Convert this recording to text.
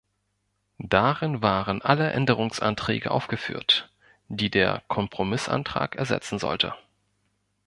Darin waren alle Änderungsanträge aufgeführt, die der Kompromissantrag ersetzen sollte.